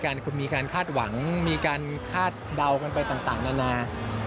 คุณมีการคาดหวังมีการคาดเดากันไปต่างนานา